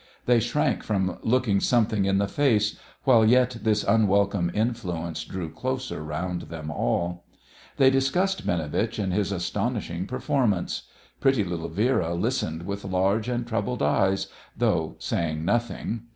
They shrank from looking something in the face, while yet this unwelcome influence drew closer round them all. They discussed Binovitch and his astonishing performance. Pretty little Vera listened with large and troubled eyes, though saying nothing.